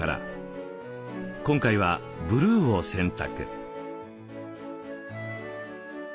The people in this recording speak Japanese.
今回はブルーを選択。